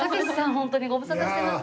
ホントにご無沙汰してます。